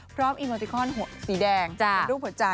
พร้อมอิโมติคอนสีแดงดูหัวใจ